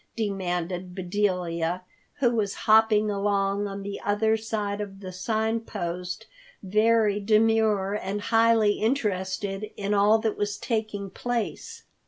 demanded Bedelia, who was hopping along on the other side of the Sign Post, very demure and highly interested in all that was taking place.